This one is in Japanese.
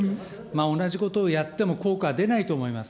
同じことをやっても効果は出ないと思います。